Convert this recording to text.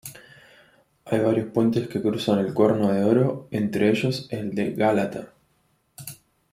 Hay varios puentes que cruzan el Cuerno de Oro, entre ellos el de Gálata.